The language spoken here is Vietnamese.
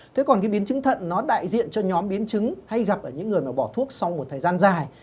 thế còn cái biến chứng thận nó đại diện cho nhóm biến chứng hay gặp ở những người mà bỏ thuốc sau một thời gian dài